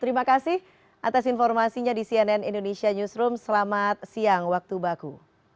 terima kasih atas informasinya di cnn indonesia newsroom selamat siang waktu baku